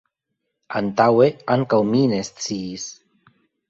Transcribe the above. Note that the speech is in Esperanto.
Antaŭe ankaŭ mi ne sciis.